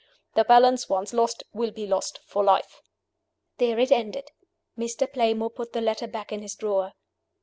The balance once lost, will be lost for life." There it ended. Mr. Playmore put the letter back in his drawer.